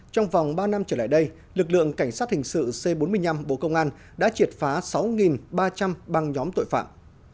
trong vòng ba năm trở lại đây lực lượng cảnh sát hình sự c bốn mươi năm bộ công an đã triệt phá sáu ba trăm linh băng nhóm tội phạm